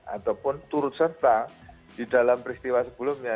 ataupun turut serta di dalam peristiwa sebelumnya